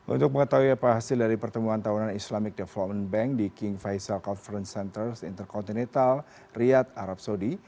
untuk mengetahui apa hasil dari pertemuan tahunan islamic development bank di king faisal conference centers intercontinetal riyad arab saudi